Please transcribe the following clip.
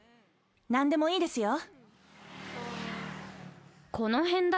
何でもいいですよ